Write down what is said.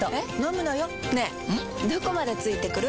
どこまで付いてくる？